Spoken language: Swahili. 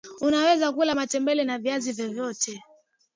unaweza kula matembele na viazi vyovyote